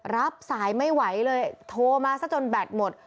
รับสายไม่ไหวเลยโทรมาซะจนแบตหมด